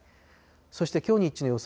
そしてきょう日中の予想